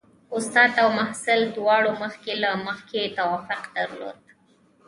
استاد او محصل دواړو مخکې له مخکې توافق درلود.